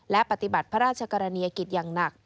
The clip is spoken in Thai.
และปฏิบัติพระราชกรณียกิจอย่างหนัก